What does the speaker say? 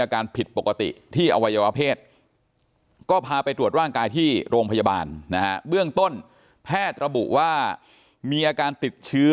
ผิดปกติที่อวัยวะเพศก็พาไปตรวจร่างกายที่โรงพยาบาลนะฮะเบื้องต้นแพทย์ระบุว่ามีอาการติดเชื้อ